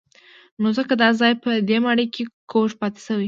نو ځکه دا ځای په دې ماڼۍ کې کوږ پاتې شوی.